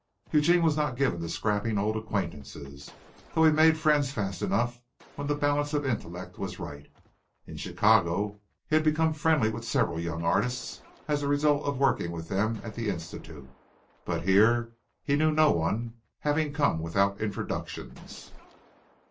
Eugene was not given to scraping odd acquaintances, though he made friends fast enough when the balance of intellect was right. In Chicago he had become friendly with several young artists as a result of working with them at the Institute, but here he knew no one, having come without introductions.